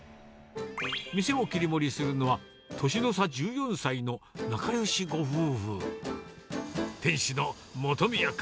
店を切り盛りするのは、年の差１４歳の仲よしご夫婦。